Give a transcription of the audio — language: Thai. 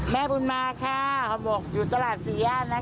แม่บุญมาค่ะเขาบอกอยู่ตลาดสี่ย่านนะคะ